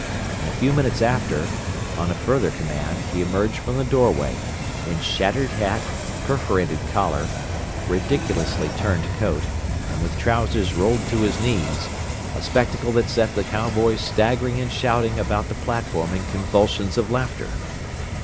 And a few minutes after, on a further command, he emerged from the doorway in shattered hat, perforated collar, ridiculously turned coat, and with trousers rolled to his knees a spectacle that set the cowboys staggering and shouting about the platform in convulsions of laughter.